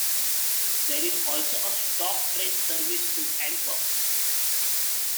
There is also a stop-train service to Antwerp.